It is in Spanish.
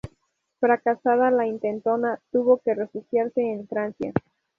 Fracasada la intentona, tuvo que refugiarse en Francia.